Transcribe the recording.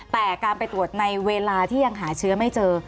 แต่การไปตรวจในเวลาที่ยังหาเชื้อไม่เจอ